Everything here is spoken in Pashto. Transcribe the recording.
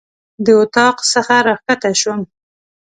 د اطاق څخه راکښته شوم.